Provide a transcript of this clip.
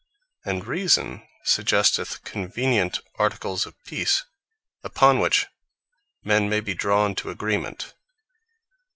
And Reason suggesteth convenient Articles of Peace, upon which men may be drawn to agreement.